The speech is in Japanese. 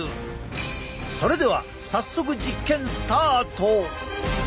それでは早速実験スタート！